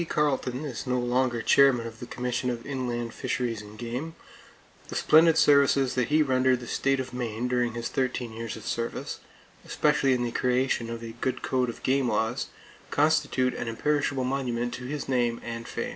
Carleton is no longer chairman of the Commission of Inland Fisheries and Game, the splendid services that he rendered the state of Maine during his thirteen years of service, especially in the creation of a good code of game laws, constitute an imperishable monument to his name and fame.